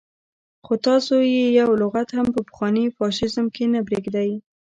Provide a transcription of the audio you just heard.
خو تاسو يې يو لغت هم په پخواني فاشيزم کې نه پرېږدئ.